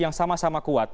yang sama sama kuat